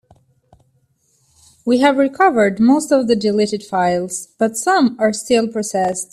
We have recovered most of the deleted files, but some are still being processed.